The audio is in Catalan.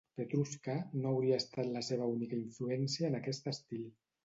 "Petrushka" no hauria estat la seva única influència en aquest estil.